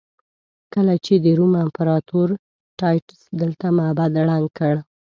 کله چې د روم امپراتور ټایټس دلته معبد ړنګ کړ.